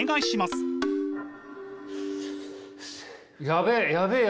やべえ！